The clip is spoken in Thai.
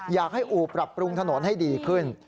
อู่ปรับปรุงถนนให้ดีขึ้น